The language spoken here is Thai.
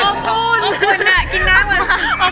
มันอะกินน้ำมัน